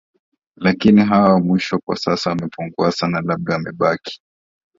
lakini hawa wa mwisho kwa sasa wamepungua sana labda wamebaki